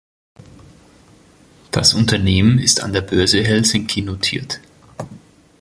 Das Unternehmen ist an der Börse Helsinki notiert.